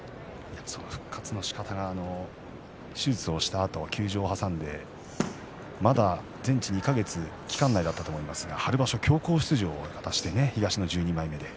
その復活のしかたが手術をしたあと休場を挟んでまだ全治２か月、期間内だったと思いますが春場所、強行出場して東の１２枚目で。